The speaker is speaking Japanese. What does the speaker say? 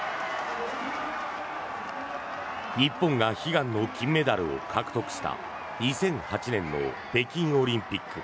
日本が悲願の金メダルを獲得した２００８年の北京オリンピック。